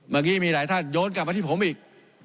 เมื่อกี้มีหลายท่านโยนกลับมาที่ผมอีก